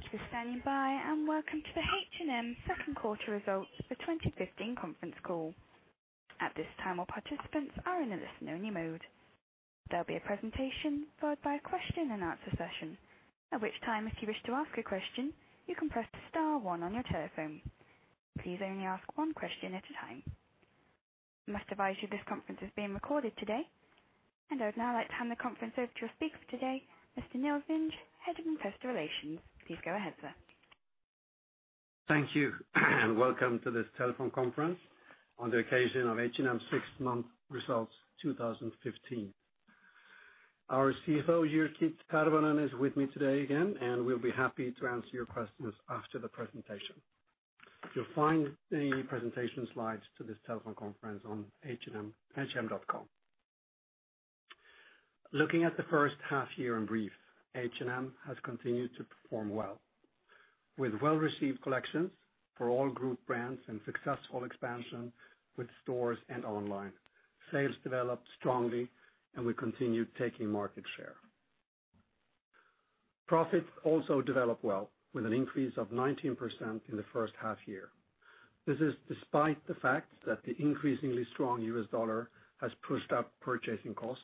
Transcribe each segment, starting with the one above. Thank you for standing by, and welcome to the H&M second quarter results for 2015 conference call. At this time, all participants are in a listen-only mode. There will be a presentation followed by a question and answer session. At which time, if you wish to ask a question, you can press star one on your telephone. Please only ask one question at a time. I must advise you this conference is being recorded today. I would now like to hand the conference over to your speaker today, Mr. Nils Vinge, Head of Investor Relations. Please go ahead, sir. Thank you, and welcome to this telephone conference on the occasion of H&M six-month results 2015. Our CFO, Jyrki Tervonen, is with me today again, and we will be happy to answer your questions after the presentation. You will find the presentation slides to this telephone conference on hm.com. Looking at the first half year in brief, H&M has continued to perform well. With well-received collections for all group brands and successful expansion with stores and online, sales developed strongly and we continued taking market share. Profits also developed well with an increase of 19% in the first half year. This is despite the fact that the increasingly strong U.S. dollar has pushed up purchasing COGS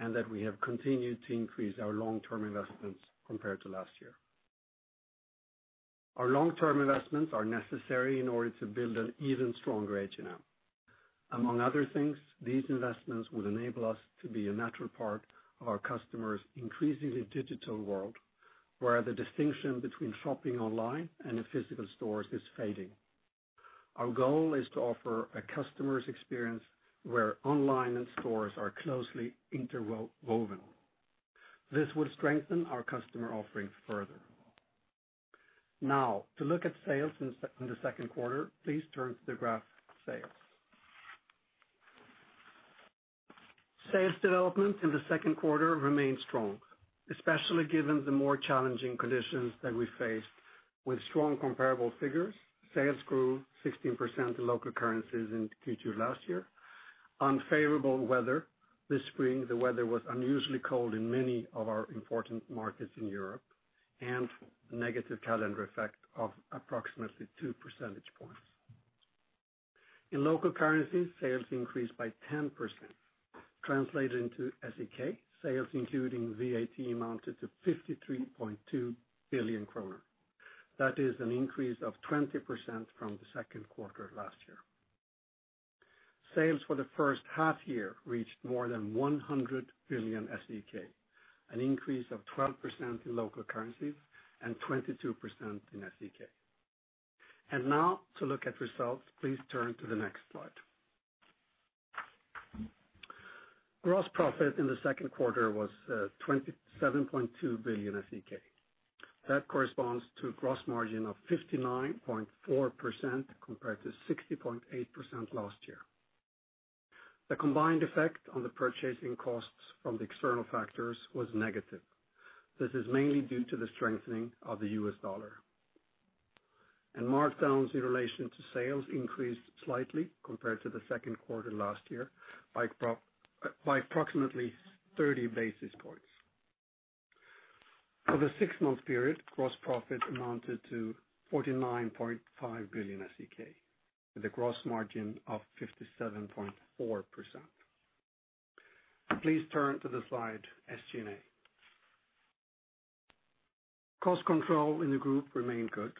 and that we have continued to increase our long-term investments compared to last year. Our long-term investments are necessary in order to build an even stronger H&M. Among other things, these investments will enable us to be a natural part of our customers' increasingly digital world, where the distinction between shopping online and in physical stores is fading. Our goal is to offer a customer's experience where online and stores are closely interwoven. This will strengthen our customer offering further. Now, to look at sales in the second quarter, please turn to the graph Sales. Sales development in the second quarter remained strong, especially given the more challenging conditions that we faced with strong comparable figures. Sales grew 16% in local currencies in Q2 last year. Unfavorable weather. This spring, the weather was unusually cold in many of our important markets in Europe, a negative calendar effect of approximately two percentage points. In local currencies, sales increased by 10%, translating to SEK sales including VAT amounted to 53.2 billion kronor. That is an increase of 20% from the second quarter last year. Sales for the first half year reached more than 100 billion SEK, an increase of 12% in local currencies and 22% in SEK. Now to look at results, please turn to the next slide. Gross profit in the second quarter was 27.2 billion SEK. That corresponds to a gross margin of 59.4% compared to 60.8% last year. The combined effect on the purchasing COGS from the external factors was negative. This is mainly due to the strengthening of the U.S. dollar. Markdowns in relation to sales increased slightly compared to the second quarter last year by approximately 30 basis points. For the six-month period, gross profit amounted to 49.5 billion SEK with a gross margin of 57.4%. Please turn to the slide SG&A. Cost control in the group remained good.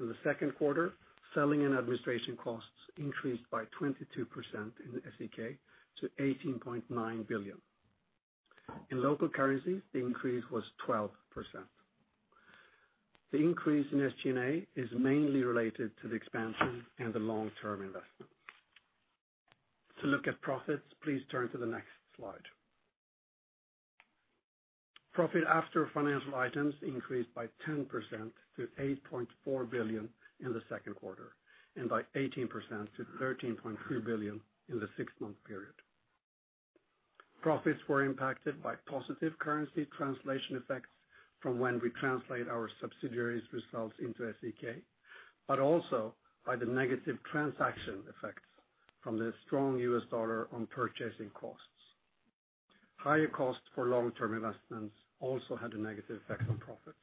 In the second quarter, selling and administration COGS increased by 22% in SEK to 18.9 billion SEK. In local currencies, the increase was 12%. The increase in SG&A is mainly related to the expansion and the long-term investment. To look at profits, please turn to the next slide. Profit after financial items increased by 10% to 8.4 billion in the second quarter, and by 18% to 13.3 billion in the six-month period. Profits were impacted by positive currency translation effects from when we translate our subsidiaries results into SEK, but also by the negative transaction effects from the strong U.S. dollar on purchasing COGS. Higher COGS for long-term investments also had a negative effect on profits.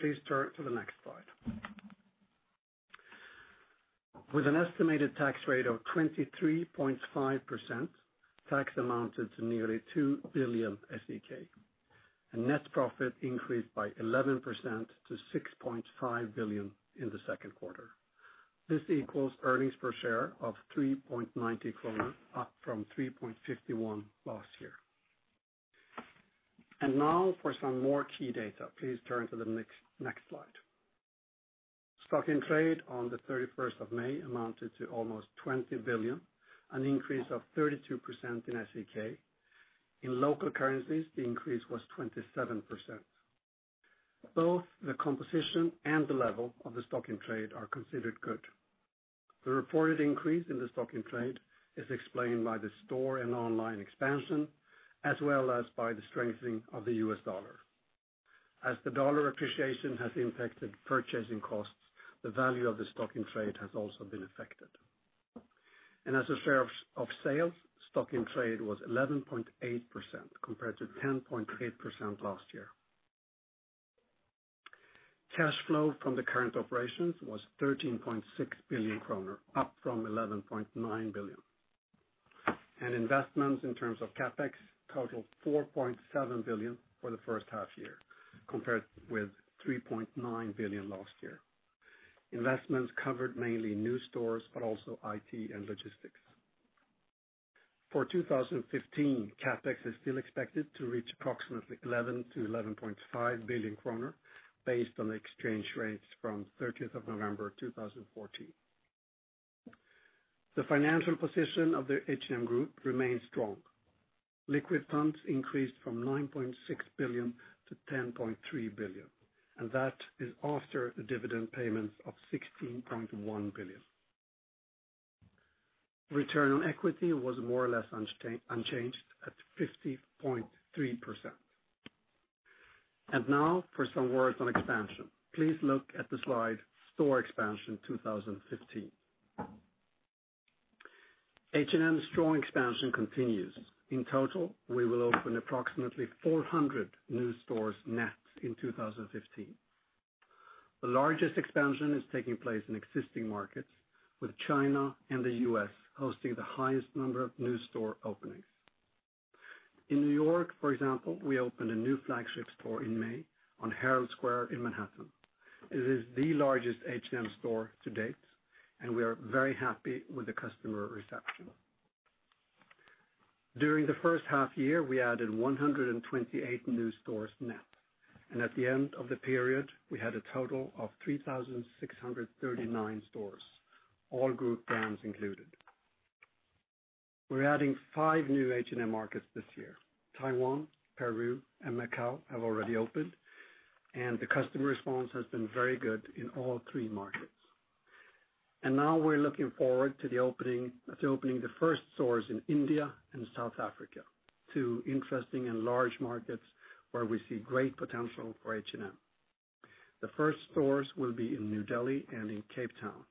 Please turn to the next slide. With an estimated tax rate of 23.5%, tax amounted to nearly 2 billion. Net profit increased by 11% to 6.5 billion in the second quarter. This equals earnings per share of 3.90 kronor, up from 3.51 last year. Now for some more key data, please turn to the next slide. Stock in trade on the 31st of May amounted to almost 20 billion, an increase of 32% in SEK. In local currencies, the increase was 27%. Both the composition and the level of the stock in trade are considered good. The reported increase in the stock in trade is explained by the store and online expansion, as well as by the strengthening of the U.S. dollar. As the dollar appreciation has impacted purchasing COGS, the value of the stock in trade has also been affected. As a share of sales, stock in trade was 11.8% compared to 10.8% last year. Cash flow from the current operations was 13.6 billion kronor, up from 11.9 billion. Investments in terms of CapEx totaled 4.7 billion for the first half year, compared with 3.9 billion last year. Investments covered mainly new stores, but also IT and logistics. For 2015, CapEx is still expected to reach approximately 11 billion-11.5 billion kronor based on the exchange rates from 30th of November 2014. The financial position of the H&M Group remains strong. Liquid funds increased from 9.6 billion to 10.3 billion, and that is after the dividend payments of 16.1 billion. Return on equity was more or less unchanged at 50.3%. Now for some words on expansion. Please look at slide Store Expansion 2015. H&M store expansion continues. In total, we will open approximately 400 new stores net in 2015. The largest expansion is taking place in existing markets, with China and the U.S. hosting the highest number of new store openings. In New York, for example, we opened a new flagship store in May on Herald Square in Manhattan. It is the largest H&M store to date, and we are very happy with the customer reception. During the first half year, we added 128 new stores net, and at the end of the period, we had a total of 3,639 stores, all group brands included. We're adding five new H&M markets this year. Taiwan, Peru, and Macau have already opened, and the customer response has been very good in all three markets. Now we're looking forward to opening the first stores in India and South Africa, two interesting and large markets where we see great potential for H&M. The first stores will be in New Delhi and in Cape Town,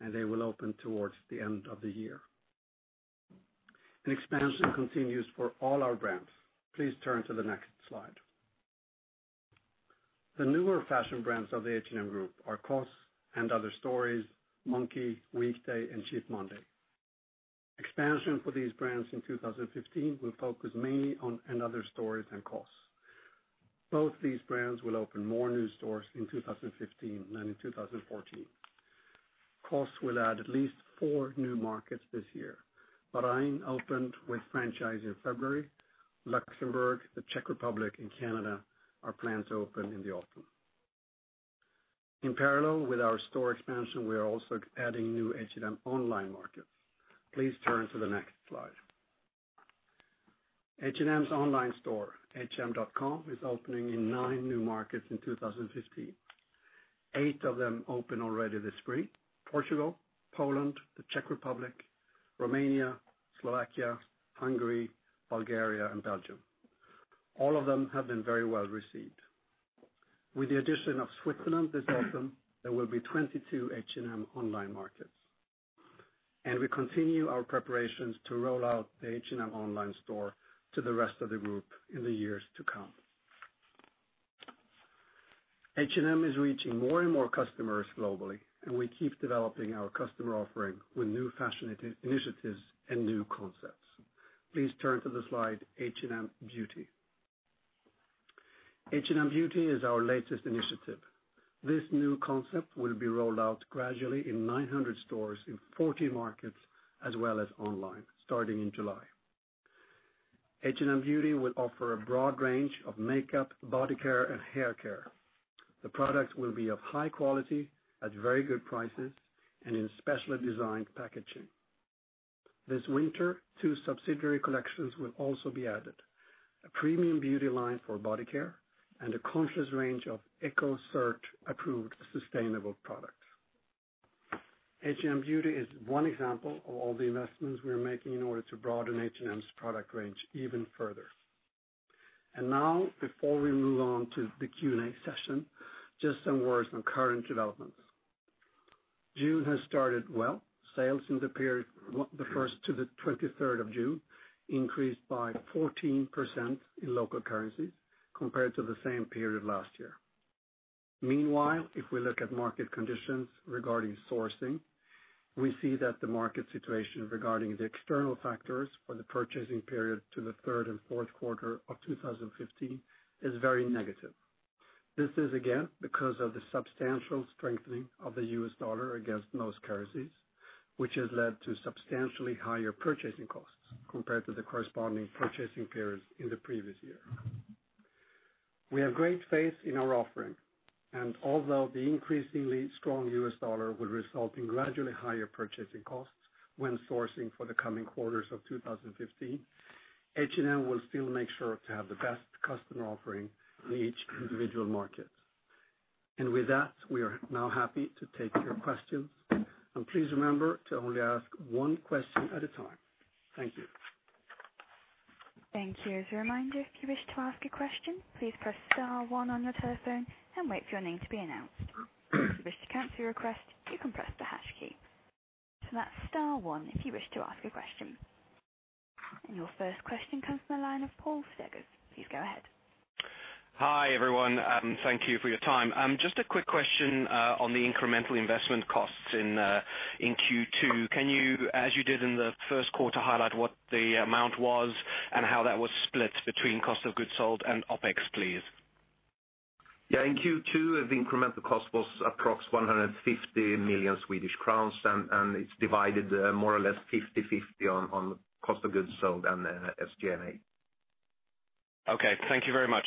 and they will open towards the end of the year. Expansion continues for all our brands. Please turn to the next slide. The newer fashion brands of the H&M Group are COS, & Other Stories, Monki, Weekday, and Cheap Monday. Expansion for these brands in 2015 will focus mainly on & Other Stories and COS. Both these brands will open more new stores in 2015 than in 2014. COS will add at least four new markets this year. Bahrain opened with franchise in February. Luxembourg, the Czech Republic, and Canada are planned to open in the autumn. In parallel with our store expansion, we are also adding new H&M online markets. Please turn to the next slide. H&M's online store, hm.com, is opening in nine new markets in 2015. Eight of them opened already this spring: Portugal, Poland, the Czech Republic, Romania, Slovakia, Hungary, Bulgaria, and Belgium. All of them have been very well-received. With the addition of Switzerland this autumn, there will be 22 H&M online markets. We continue our preparations to roll out the H&M online store to the rest of the group in the years to come. H&M is reaching more and more customers globally. We keep developing our customer offering with new fashion initiatives and new concepts. Please turn to the slide H&M Beauty. H&M Beauty is our latest initiative. This new concept will be rolled out gradually in 900 stores in 40 markets as well as online, starting in July. H&M Beauty will offer a broad range of makeup, body care, and hair care. The products will be of high quality, at very good prices, and in specially designed packaging. This winter, two subsidiary collections will also be added: a premium beauty line for body care and a conscious range of Ecocert-approved sustainable products. H&M Beauty is one example of all the investments we are making in order to broaden H&M's product range even further. Now, before we move on to the Q&A session, just some words on current developments. June has started well. Sales in the period, the 1st to the 23rd of June, increased by 14% in local currencies compared to the same period last year. Meanwhile, if we look at market conditions regarding sourcing, we see that the market situation regarding the external factors for the purchasing period to the third and fourth quarter of 2015 is very negative. This is again because of the substantial strengthening of the US dollar against most currencies, which has led to substantially higher purchasing COGS compared to the corresponding purchasing periods in the previous year. We have great faith in our offering. Although the increasingly strong US dollar will result in gradually higher purchasing COGS when sourcing for the coming quarters of 2015, H&M will still make sure to have the best customer offering in each individual market. With that, we are now happy to take your questions. Please remember to only ask one question at a time. Thank you. Thank you. As a reminder, if you wish to ask a question, please press star one on your telephone and wait for your name to be announced. If you wish to cancel your request, you can press the hash key. That's star one if you wish to ask a question. Your first question comes from the line of Paul Steegers. Please go ahead. Hi, everyone. Thank you for your time. Just a quick question on the incremental investment COS in Q2. Can you, as you did in the first quarter, highlight what the amount was and how that was split between cost of goods sold and OpEx, please? In Q2, the incremental cost was approx 150 million Swedish crowns and it's divided more or less 50/50 on cost of goods sold and SG&A. Thank you very much.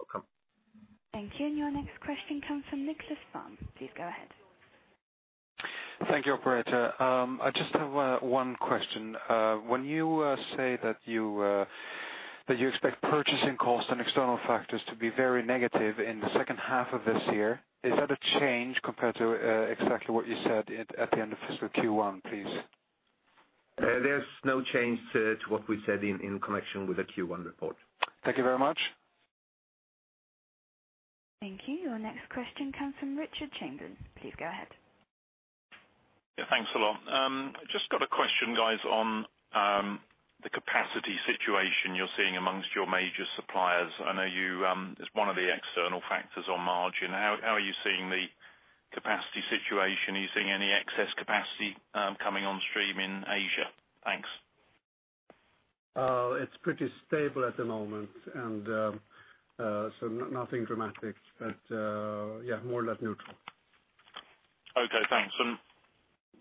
Welcome. Thank you. Your next question comes from Nicklas Fhärm. Please go ahead. Thank you, operator. I just have one question. When you say that you expect purchasing COGS and external factors to be very negative in the second half of this year, is that a change compared to exactly what you said at the end of fiscal Q1, please? There's no change to what we said in connection with the Q1 report. Thank you very much. Thank you. Your next question comes from Richard Chamberlain. Please go ahead. Yeah, thanks a lot. Just got a question, guys, on the capacity situation you're seeing amongst your major suppliers. I know it's one of the external factors on margin. How are you seeing the capacity situation? Are you seeing any excess capacity coming on stream in Asia? Thanks. It's pretty stable at the moment, nothing dramatic. Yeah, more or less neutral. Okay, thanks.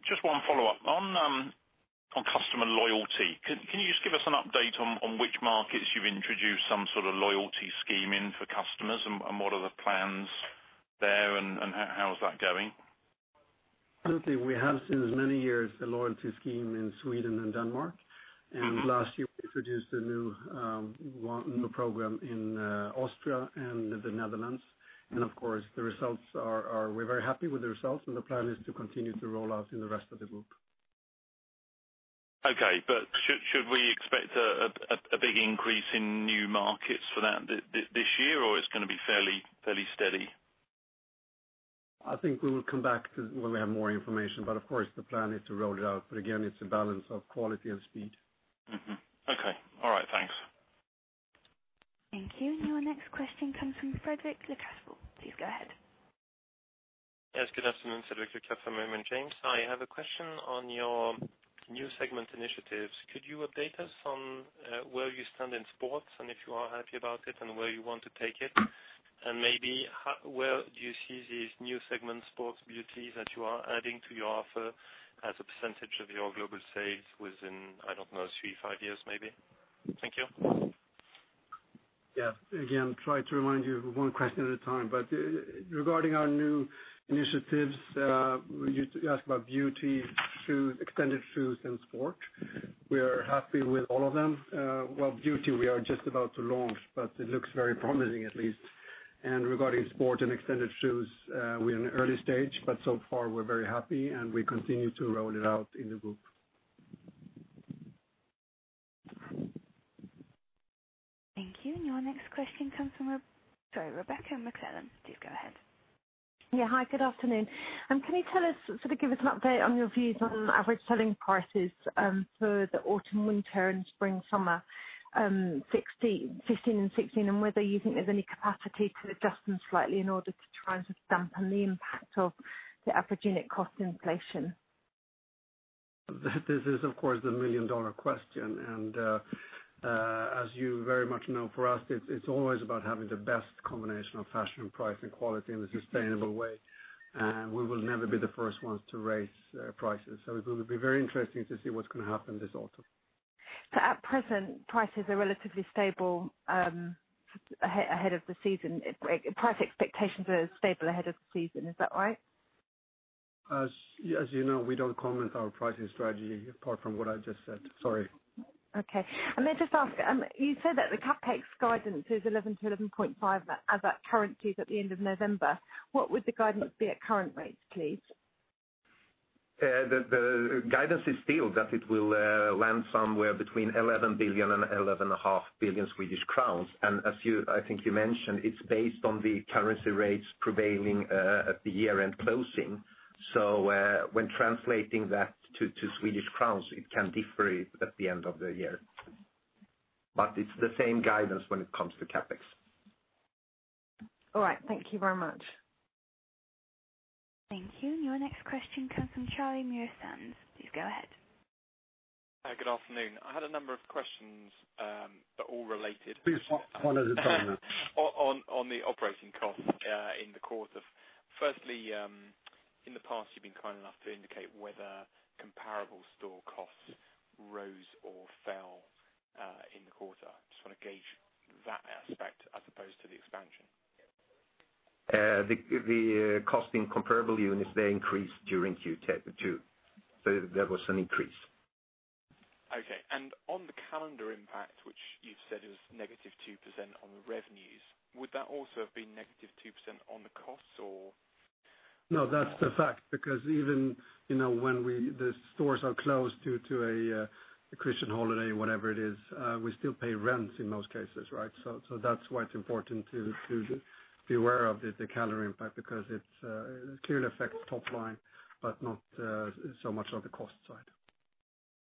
Just one follow-up. On customer loyalty, can you just give us an update on which markets you've introduced some sort of loyalty scheme in for customers, and what are the plans there and how's that going? Currently, we have since many years the loyalty scheme in Sweden and Denmark. Last year we introduced a new program in Austria and the Netherlands. Of course, we're very happy with the results, and the plan is to continue to roll out in the rest of the group. Okay, should we expect a big increase in new markets for that this year, or it's going to be fairly steady? I think we will come back to when we have more information, of course the plan is to roll it out. Again, it's a balance of quality and speed. Mm-hmm. Okay. All right. Thanks. Thank you. Your next question comes from Frédéric Lecasble. Please go ahead. Yes, good afternoon. Frédéric Lecasble, J.P. Morgan. I have a question on your new segment initiatives. Could you update us on where you stand in Sports and if you are happy about it and where you want to take it? Maybe where do you see these new segments, Sports, Beauty, that you are adding to your offer as a percentage of your global sales within, I don't know, three, five years maybe? Thank you. Yeah. Again, try to remind you one question at a time. Regarding our new initiatives, you asked about Beauty, extended shoes and Sport. We are happy with all of them. Well, Beauty we are just about to launch, but it looks very promising at least. Regarding Sport and extended shoes, we're in early stage, but so far we're very happy and we continue to roll it out in the group. Thank you. Your next question comes from Rebecca McClellan. Please go ahead. Yeah. Hi, good afternoon. Can you give us an update on your views on average selling prices for the autumn, winter and spring, summer 2015 and 2016, and whether you think there's any capacity to adjust them slightly in order to try and just dampen the impact of the average unit cost inflation? This is, of course, the million-dollar question. As you very much know, for us, it's always about having the best combination of fashion, price, and quality in a sustainable way. We will never be the first ones to raise prices. It will be very interesting to see what's going to happen this autumn. At present, prices are relatively stable ahead of the season. Price expectations are stable ahead of the season. Is that right? As you know, we don't comment our pricing strategy apart from what I just said, sorry. May I just ask, you said that the CapEx guidance is 11 billion-11.5 billion at current rates at the end of November. What would the guidance be at current rates, please? The guidance is still that it will land somewhere between 11 billion and 11.5 billion Swedish crowns. As I think you mentioned, it's based on the currency rates prevailing at the year-end closing. When translating that to SEK, it can differ at the end of the year. It's the same guidance when it comes to CapEx. All right. Thank you very much. Thank you. Your next question comes from Charlie Muir-Sands. Please go ahead. Good afternoon. I had a number of questions, all related- Please one at a time. On the operating costs in the quarter. In the past you've been kind enough to indicate whether comparable store costs rose or fell in the quarter. Just want to gauge that aspect as opposed to the expansion. The cost in comparable units, they increased during Q2. There was an increase. Okay. On the calendar impact, which you've said is -2% on the revenues, would that also have been -2% on the COS or? No, that's the fact. Even when the stores are closed due to a Christian holiday, whatever it is, we still pay rent in most cases, right? That's why it's important to be aware of the calendar impact, because it clearly affects top line, but not so much on the cost side.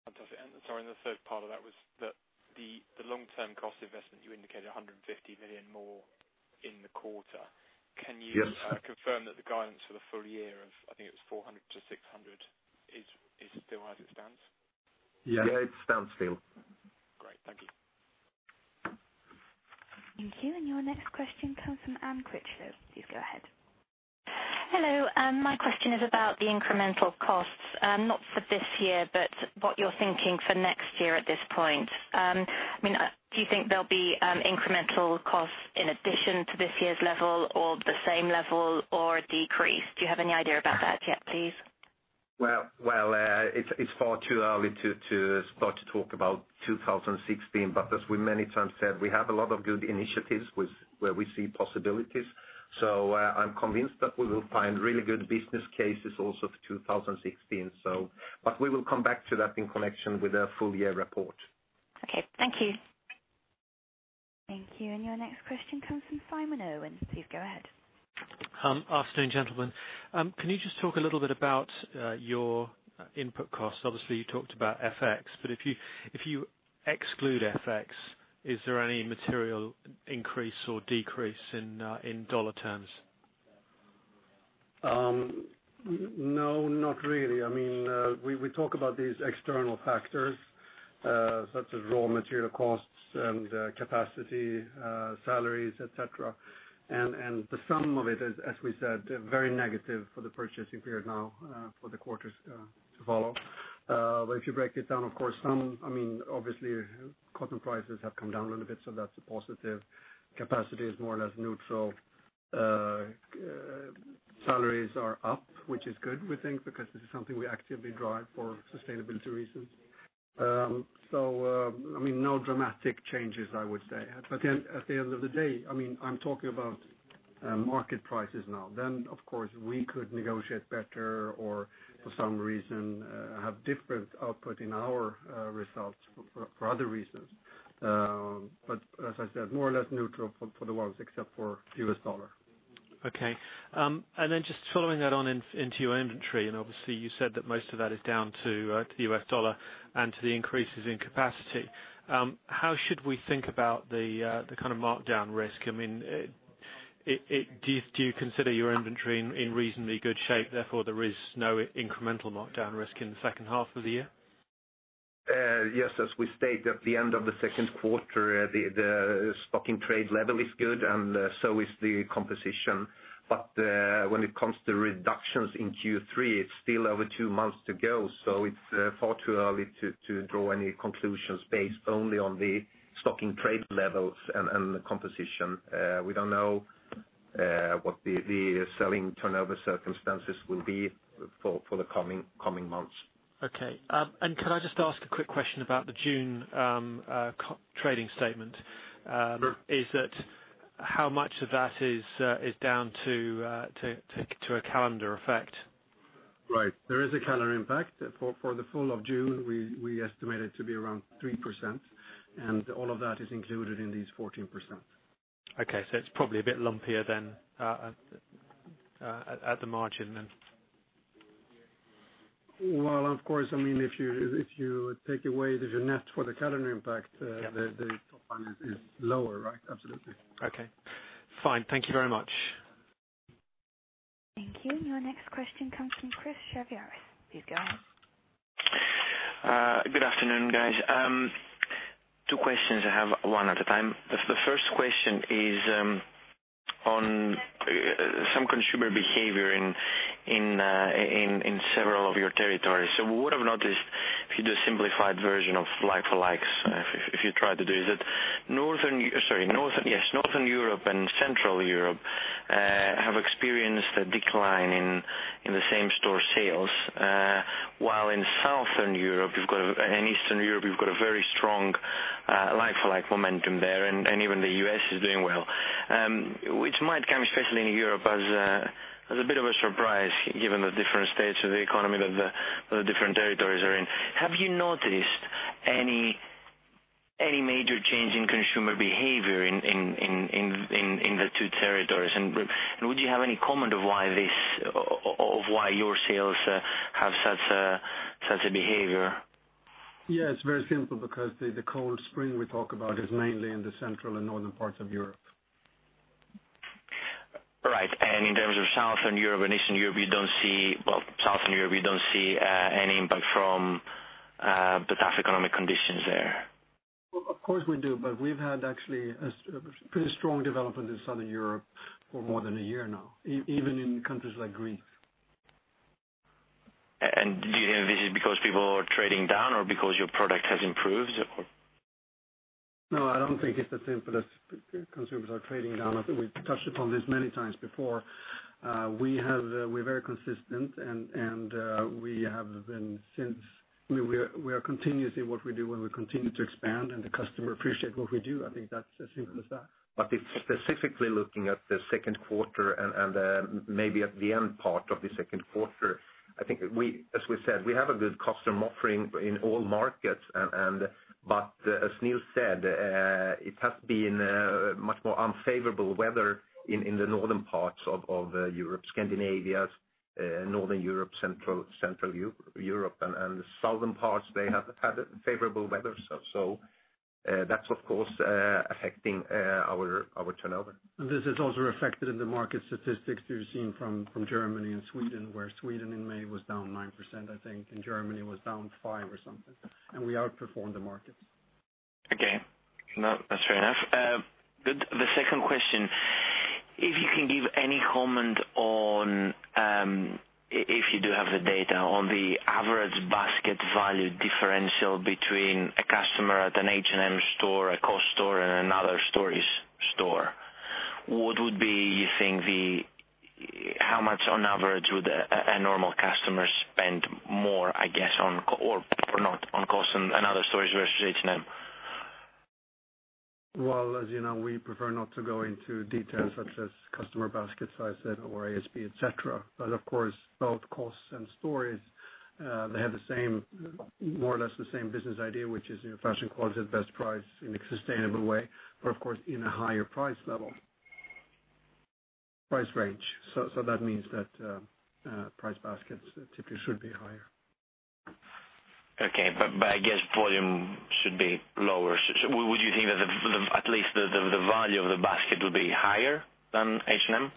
Fantastic. Sorry, the third part of that was that the long-term cost investment, you indicated 150 million more in the quarter. Yes. Can you confirm that the guidance for the full year of, I think it was 400 million to 600 million, is still as it stands? Yeah, it stands still. Great. Thank you. Thank you. Your next question comes from Anne Critchlow. Please go ahead. Hello. My question is about the incremental COS, not for this year, but what you're thinking for next year at this point. Do you think there'll be incremental COS in addition to this year's level or the same level or a decrease? Do you have any idea about that yet, please? It's far too early to start to talk about 2016. As we many times said, we have a lot of good initiatives where we see possibilities. I'm convinced that we will find really good business cases also for 2016. We will come back to that in connection with the full year report. Okay. Thank you. Thank you. Your next question comes from Simon Irwin. Please go ahead. Afternoon, gentlemen. Can you just talk a little bit about your input COS? Obviously, you talked about FX, but if you exclude FX, is there any material increase or decrease in U.S. dollar terms? No, not really. We talk about these external factors, such as raw material COGS and capacity, salaries, et cetera. The sum of it is, as we said, very negative for the purchasing period now, for the quarters to follow. If you break it down, of course, some, obviously cotton prices have come down a little bit, so that's a positive. Capacity is more or less neutral. Salaries are up, which is good, we think, because this is something we actively drive for sustainability reasons. No dramatic changes, I would say. At the end of the day, I'm talking about market prices now. Then, of course, we could negotiate better or for some reason, have different output in our results for other reasons. As I said, more or less neutral for the world except for US dollar. Okay. Then just following that on into your inventory, and obviously you said that most of that is down to the US dollar and to the increases in capacity. How should we think about the kind of markdown risk? Do you consider your inventory in reasonably good shape, therefore there is no incremental markdown risk in the second half of the year? Yes, as we stated at the end of the second quarter, the stock in trade level is good and so is the composition. When it comes to reductions in Q3, it's still over two months to go, so it's far too early to draw any conclusions based only on the stock in trade levels and the composition. We don't know what the selling turnover circumstances will be for the coming months. Okay. Could I just ask a quick question about the June trading statement? Sure. How much of that is down to a calendar effect? Right. There is a calendar impact. For the full of June, we estimate it to be around 3%. All of that is included in these 14%. Okay, it's probably a bit lumpier then at the margin then. Of course, if you take away the net for the calendar impact. Yeah the top line is lower, right? Absolutely. Okay. Fine. Thank you very much. Thank you. Your next question comes from Christodoulos Chaviaras. Please go ahead. Good afternoon, guys. Two questions I have, one at a time. The first question is on some consumer behavior in several of your territories. We would have noticed if you do a simplified version of like-for-likes, if you try to do, is that Northern Europe and Central Europe have experienced a decline in the same store sales, while in Southern Europe and Eastern Europe, you've got a very strong like-for-like momentum there, and even the U.S. is doing well, which might come, especially in Europe, as a bit of a surprise given the different states of the economy that the different territories are in. Have you noticed any major change in consumer behavior in the two territories? Would you have any comment of why your sales have such a behavior? Yeah, it's very simple because the cold spring we talk about is mainly in the central and northern parts of Europe. In terms of Southern Europe and Eastern Europe, you don't see, well, Southern Europe, you don't see any impact from the tough economic conditions there? Of course we do, we've had actually a pretty strong development in Southern Europe for more than a year now, even in countries like Greece. Do you think this is because people are trading down or because your product has improved, or? I don't think it's as simple as consumers are trading down. I think we've touched upon this many times before. We're very consistent, and we are continuously what we do, and we continue to expand, and the customer appreciate what we do. I think that's as simple as that. It's specifically looking at the second quarter and maybe at the end part of the second quarter. I think, as we said, we have a good customer offering in all markets. As Nils said, it has been much more unfavorable weather in the northern parts of Europe, Scandinavia, Northern Europe, Central Europe and the southern parts, they have had favorable weather. That's, of course, affecting our turnover. This is also reflected in the market statistics you're seeing from Germany and Sweden, where Sweden in May was down 9%, I think, and Germany was down 5% or something. We outperformed the markets. Okay. No, that's fair enough. Good. The second question, if you can give any comment on, if you do have the data on the average basket value differential between a customer at an H&M store, a COS store, and an & Other Stories store. What would be, you think, how much on average would a normal customer spend more, I guess, or not on COS and & Other Stories versus H&M? Well, as you know, we prefer not to go into details such as customer basket sizes or ASP, et cetera. Of course, both COS & Other Stories, they have more or less the same business idea, which is new fashion quality at best price in a sustainable way. Of course, in a higher price level, price range. That means that price baskets typically should be higher. Okay. I guess volume should be lower. Would you think that at least the value of the basket will be higher than H&M?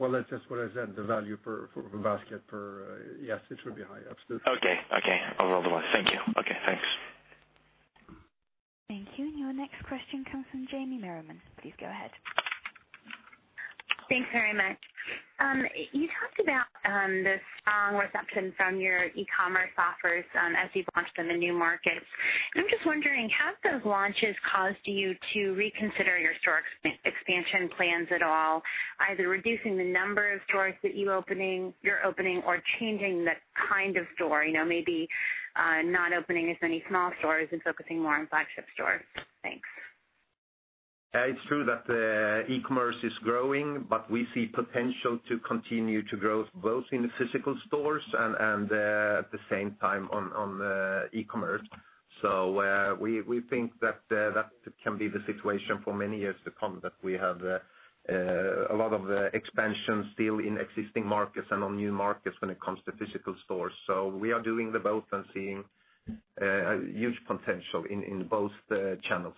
Well, that's just what I said, the value per basket, yes, it should be higher, absolutely. Okay. Overall. Thank you. Okay, thanks. Thank you. Your next question comes from Jamie Merriman. Please go ahead. Thanks very much. You talked about the strong reception from your e-commerce offers as you've launched in the new markets. I'm just wondering, have those launches caused you to reconsider your store expansion plans at all, either reducing the number of stores that you're opening or changing the kind of store, maybe not opening as many small stores and focusing more on flagship stores? Thanks. It's true that e-commerce is growing, we see potential to continue to grow both in the physical stores and at the same time on e-commerce. We think that can be the situation for many years to come, that we have a lot of expansion still in existing markets and on new markets when it comes to physical stores. We are doing the both and seeing huge potential in both channels.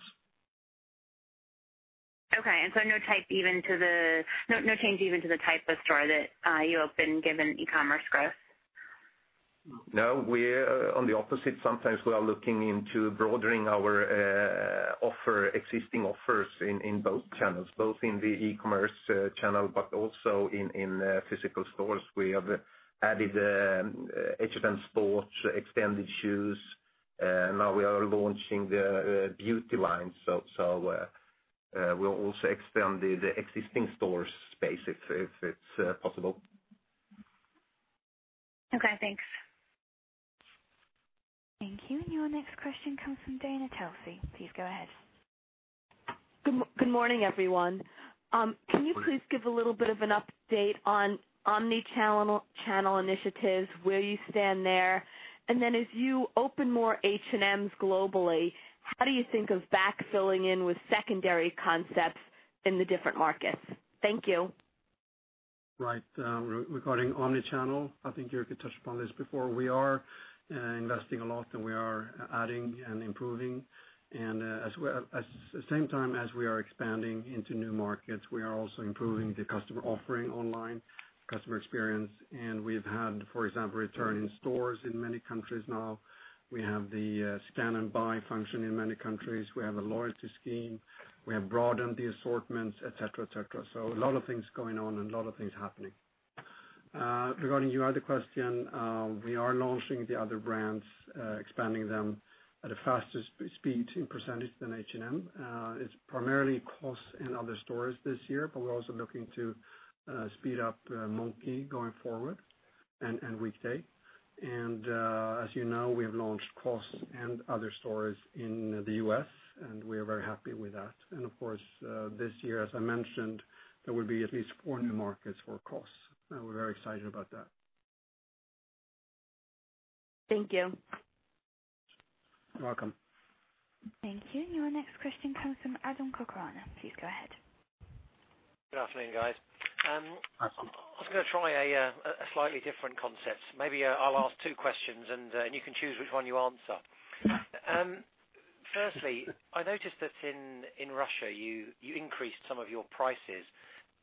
Okay. No change even to the type of store that you open given e-commerce growth? No, we are on the opposite. Sometimes we are looking into broadening our existing offers in both channels, both in the e-commerce channel, but also in physical stores. We have added H&M Sport, extended shoes. Now we are launching the beauty line. We'll also expand the existing store space if it's possible. Okay, thanks. Thank you. Your next question comes from Dana Telsey. Please go ahead. Good morning, everyone. Good morning. Can you please give a little bit of an update on omnichannel initiatives, where you stand there? Then as you open more H&Ms globally, how do you think of back-filling in with secondary concepts in the different markets? Thank you. Right. Regarding omnichannel, I think Jyrki touched upon this before. We are investing a lot, and we are adding and improving. At the same time as we are expanding into new markets, we are also improving the customer offering online, customer experience, and we've had, for example, return in stores in many countries now. We have the scan and buy function in many countries. We have a loyalty scheme. We have broadened the assortments, et cetera. So a lot of things going on and a lot of things happening. Regarding your other question, we are launching the other brands, expanding them at a faster speed in percentage than H&M. It's primarily COS and & Other Stories this year, but we're also looking to speed up Monki going forward, and Weekday. As you know, we've launched COS and & Other Stories in the U.S., and we are very happy with that. Of course, this year, as I mentioned, there will be at least four new markets for COS, and we're very excited about that. Thank you. You're welcome. Thank you. Your next question comes from Adam Cochrane. Please go ahead. Good afternoon, guys. I was going to try a slightly different concept. Maybe I'll ask two questions, and you can choose which one you answer. Firstly, I noticed that in Russia you increased some of your prices.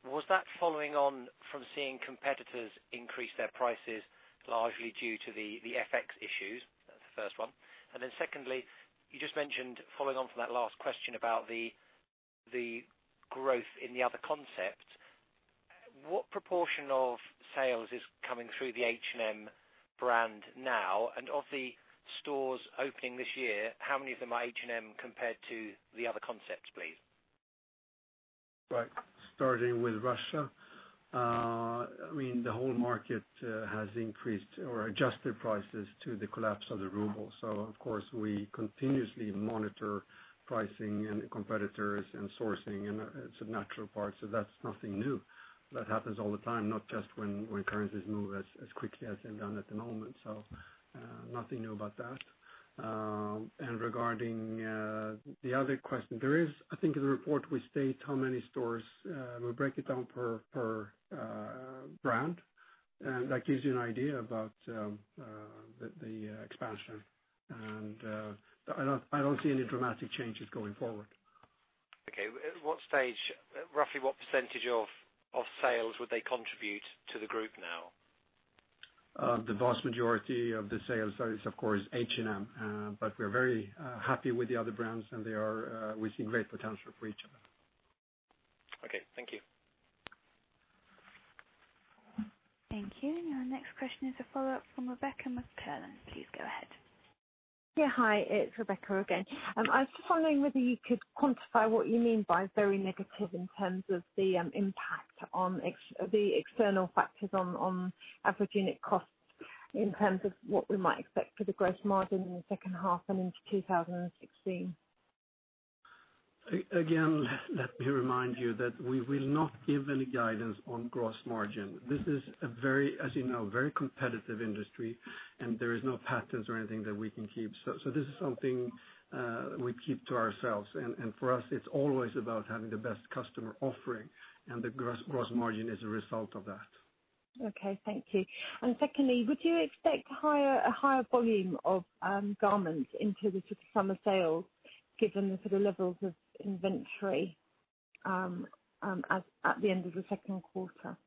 Was that following on from seeing competitors increase their prices largely due to the FX issues? That's the first one. Then secondly, you just mentioned, following on from that last question about the growth in the other concept. What proportion of sales is coming through the H&M brand now? Of the stores opening this year, how many of them are H&M compared to the other concepts, please? Right. Starting with Russia, the whole market has increased or adjusted prices to the collapse of the ruble. Of course, we continuously monitor pricing and competitors and sourcing, and it's a natural part. That's nothing new. That happens all the time, not just when currencies move as quickly as they've done at the moment. Nothing new about that. Regarding the other question, there is, I think in the report we state how many stores. We break it down per brand, and that gives you an idea about the expansion. I don't see any dramatic changes going forward. Okay. At what stage, roughly what % of sales would they contribute to the group now? The vast majority of the sales are, of course, H&M. We are very happy with the other brands, and we see great potential for each of them. Okay. Thank you. Thank you. Our next question is a follow-up from Rebecca McClellan. Please go ahead. Yeah. Hi, it's Rebecca again. I was just wondering whether you could quantify what you mean by very negative in terms of the impact on the external factors on average unit COGS, in terms of what we might expect for the gross margin in the second half and into 2016. Let me remind you that we will not give any guidance on gross margin. This is a, as you know, very competitive industry, there is no patents or anything that we can keep. This is something we keep to ourselves. For us, it's always about having the best customer offering, and the gross margin is a result of that. Okay. Thank you. Secondly, would you expect a higher volume of garments into the summer sales given the sort of levels of inventory at the end of the second quarter?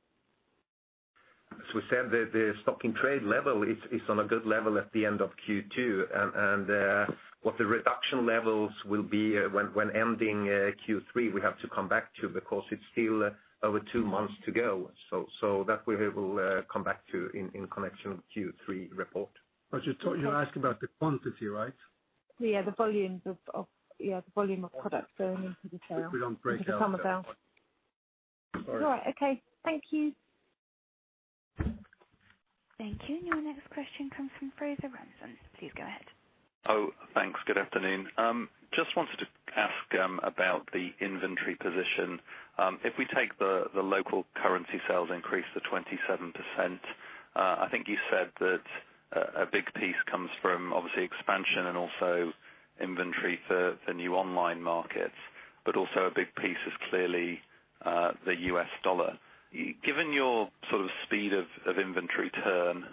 As we said, the stock in trade level is on a good level at the end of Q2. What the reduction levels will be when ending Q3, we have to come back to because it's still over two months to go. That we will come back to in connection with Q3 report. You're asking about the quantity, right? Yeah, the volumes of product going into the sale. We don't break out into the summer sale. Sorry. All right. Okay. Thank you. Thank you. Your next question comes from Fraser Ramzan. Please go ahead. Thanks. Good afternoon. Just wanted to ask about the inventory position. If we take the local currency sales increase to 27%, I think you said that a big piece comes from obviously expansion and also inventory for the new online markets, but also a big piece is clearly the US dollar. Given your speed of inventory turn,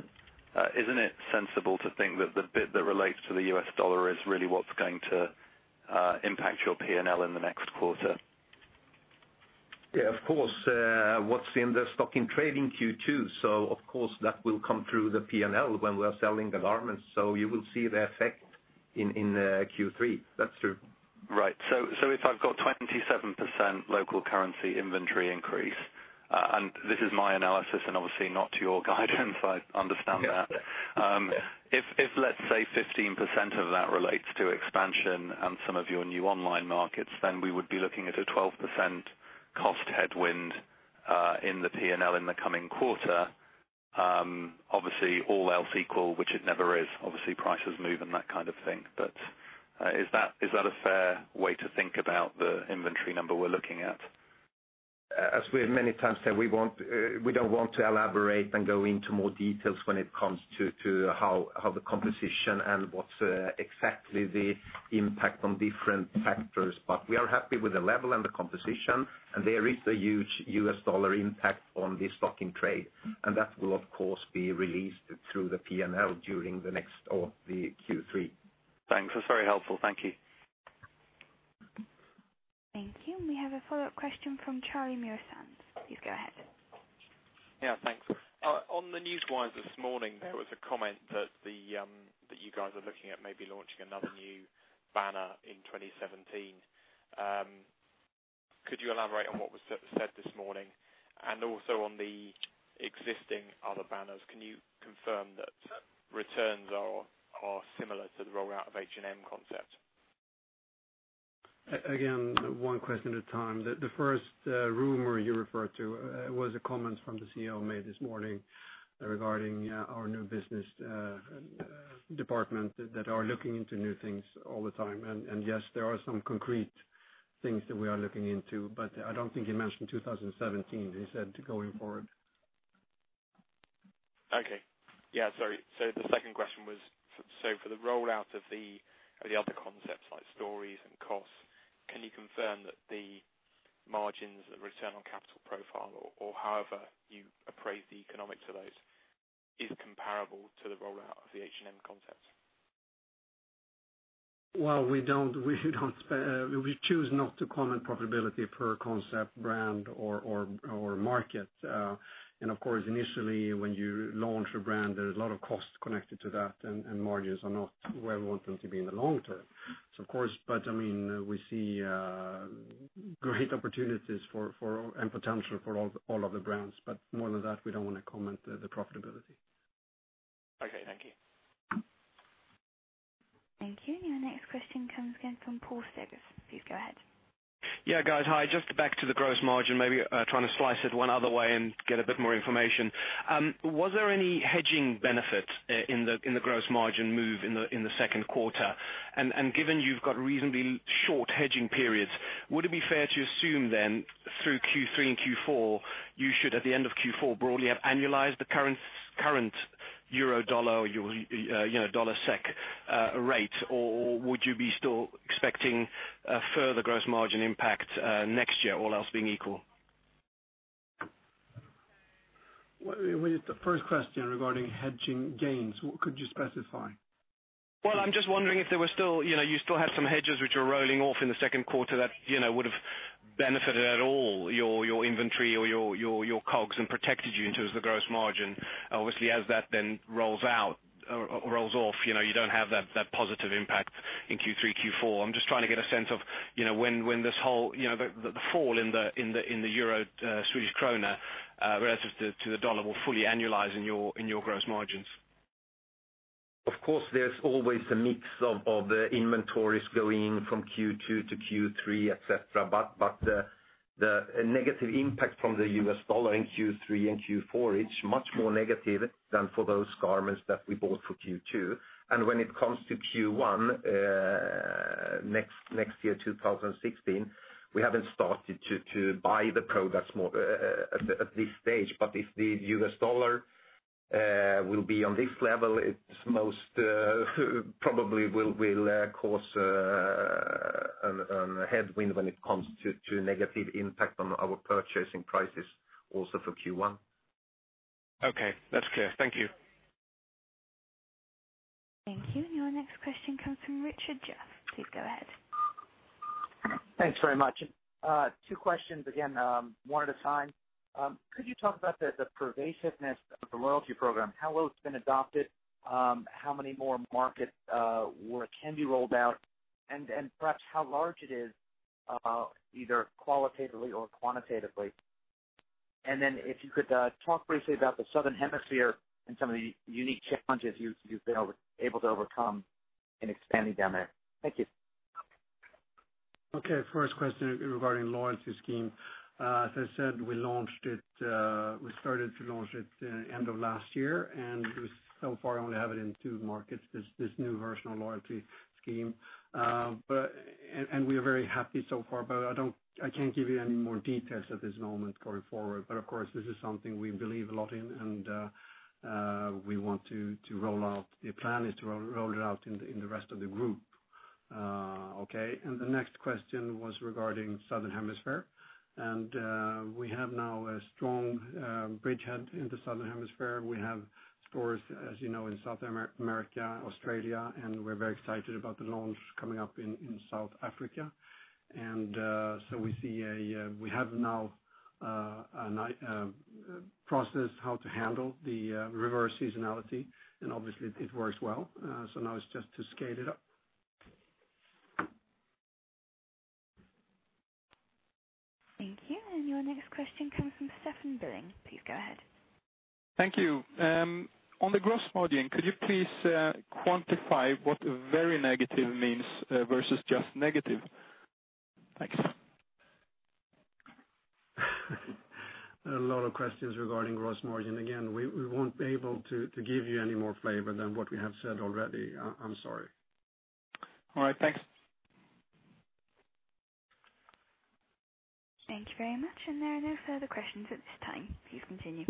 isn't it sensible to think that the bit that relates to the US dollar is really what's going to impact your P&L in the next quarter? Of course, what's in the stock in trade in Q2, of course that will come through the P&L when we are selling the garments. You will see the effect in Q3. That's true. Right. If I've got 27% local currency inventory increase, and this is my analysis and obviously not your guidance, I understand that. Yeah. If, let's say, 15% of that relates to expansion and some of your new online markets, then we would be looking at a 12% cost headwind, in the P&L in the coming quarter. Obviously, all else equal, which it never is. Obviously, prices move and that kind of thing. Is that a fair way to think about the inventory number we're looking at? As we have many times said, we don't want to elaborate and go into more details when it comes to how the composition and what's exactly the impact on different factors. We are happy with the level and the composition, and there is a huge US dollar impact on the stock in trade. That will, of course, be released through the P&L during the next or the Q3. Thanks. That's very helpful. Thank you. Thank you. We have a follow-up question from Charlie Muir-Sands. Please go ahead. Yeah, thanks. On the news wires this morning, there was a comment that you guys are looking at maybe launching another new banner in 2017. Could you elaborate on what was said this morning? Also on the existing other banners, can you confirm that returns are similar to the rollout of H&M concept? Again, one question at a time. The first rumor you referred to was a comment from the CEO made this morning regarding our new business department that are looking into new things all the time. Yes, there are some concrete things that we are looking into. I don't think he mentioned 2017, he said going forward. Okay. Yeah, sorry. The second question was, for the rollout of the other concepts like & Other Stories and COS, can you confirm that the margins, the return on capital profile, or however you appraise the economics of those, is comparable to the rollout of the H&M concept? Well, we choose not to comment profitability per concept, brand, or market. Of course, initially, when you launch a brand, there's a lot of costs connected to that, and margins are not where we want them to be in the long term. Of course, we see great opportunities and potential for all of the brands. More than that, we don't want to comment the profitability. Okay, thank you. Thank you. Your next question comes again from Paul Davis. Please go ahead. Yeah, guys. Hi. Just back to the gross margin, maybe trying to slice it one other way and get a bit more information. Was there any hedging benefit in the gross margin move in the second quarter? Given you've got reasonably short hedging periods, would it be fair to assume then through Q3 and Q4, you should, at the end of Q4, broadly have annualized the current EUR/USD or dollar SEK rate? Would you be still expecting a further gross margin impact next year, all else being equal? The first question regarding hedging gains, what could you specify? Well, I'm just wondering if you still have some hedges which are rolling off in the second quarter that would have benefited at all your inventory or your COGS and protected you in terms of the gross margin. Obviously, as that then rolls out or rolls off, you don't have that positive impact in Q3, Q4. I'm just trying to get a sense of when the fall in the Euro Swedish krona relative to the dollar will fully annualize in your gross margins. Of course, there's always a mix of the inventories going from Q2 to Q3, et cetera. The negative impact from the US dollar in Q3 and Q4, it's much more negative than for those garments that we bought for Q2. When it comes to Q1 next year, 2016, we haven't started to buy the products at this stage. If the US dollar will be on this level, it most probably will cause a headwind when it comes to negative impact on our purchasing prices also for Q1. Okay, that's clear. Thank you. Thank you. Your next question comes from Richard Jaffe. Please go ahead. Thanks very much. Two questions again, one at a time. Could you talk about the pervasiveness of the loyalty program, how well it's been adopted, how many more markets where it can be rolled out, and perhaps how large it is, either qualitatively or quantitatively? If you could talk briefly about the Southern Hemisphere and some of the unique challenges you've been able to overcome in expanding down there. Thank you. Okay. First question regarding loyalty scheme. As I said, we started to launch it end of last year, and so far only have it in two markets, this new version of loyalty scheme. We are very happy so far, but I can't give you any more details at this moment going forward. Of course, this is something we believe a lot in, and the plan is to roll it out in the rest of the group. Okay. The next question was regarding Southern Hemisphere. We have now a strong bridge head in the Southern Hemisphere. We have stores, as you know, in South America, Australia, and we're very excited about the launch coming up in South Africa. We have now processed how to handle the reverse seasonality, and obviously, it works well. Now it's just to scale it up. Thank you. Your next question comes from Stefan Billing. Please go ahead. Thank you. On the gross margin, could you please quantify what very negative means versus just negative? Thanks. A lot of questions regarding gross margin. Again, we won't be able to give you any more flavor than what we have said already. I'm sorry. All right. Thanks. Thank you very much. There are no further questions at this time. Please continue.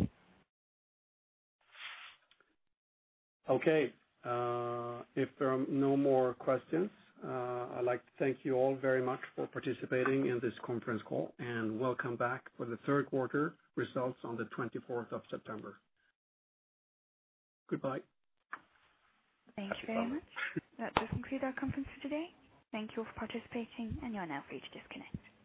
Okay. If there are no more questions, I'd like to thank you all very much for participating in this conference call. Welcome back for the third quarter results on the 24th of September. Goodbye. Thank you very much. That does conclude our conference for today. Thank you all for participating, and you are now free to disconnect.